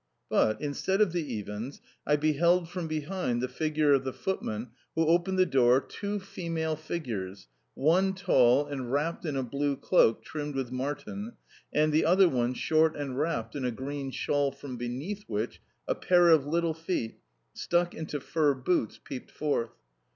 But, instead of the Iwins, I beheld from behind the figure of the footman who opened the door two female figures one tall and wrapped in a blue cloak trimmed with marten, and the other one short and wrapped in a green shawl from beneath which a pair of little feet, stuck into fur boots, peeped forth.